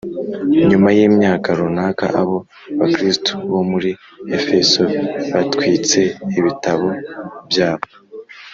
nyuma y imyaka runaka abo bakristo bo muri efeso batwitse ibitabo byabo